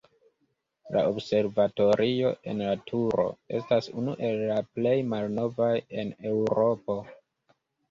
La observatorio en la turo estas unu el la plej malnovaj en Eŭropo.